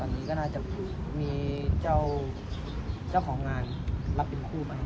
ตอนนี้ก็อาจจะมีเจ้าเจ้าของงานรับเป็นคู่ไปครับ